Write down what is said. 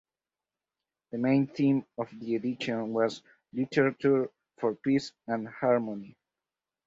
The main theme of the edition was "Literature for Peace and Harmony".